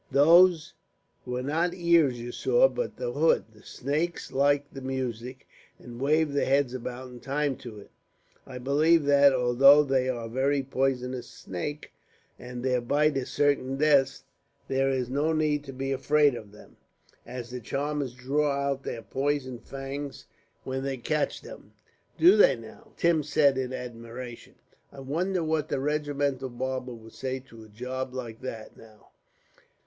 Those were not ears you saw, but the hood. The snakes like the music, and wave their heads about in time to it. I believe that, although they are a very poisonous snake and their bite is certain death, there is no need to be afraid of them, as the charmers draw out their poison fangs when they catch them." "Do they, now?" Tim said, in admiration. "I wonder what the regimental barber would say to a job like that, now.